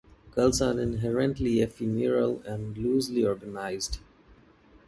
Cults are inherently ephemeral and loosely organized.